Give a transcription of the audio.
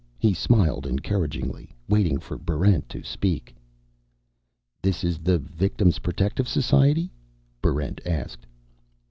He smiled encouragingly, waiting for Barrent to speak. "This is the Victim's Protective Society?" Barrent asked.